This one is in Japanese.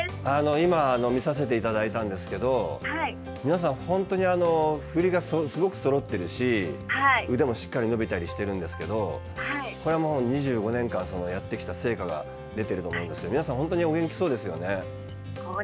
今見させていただいたんですけど皆さん、本当に振りがすごくそろっているし腕もしっかりと伸びたりしているんですけど２５年間やってきた成果が出ていると思うんですけど皆さん本当にお元気そうですよね。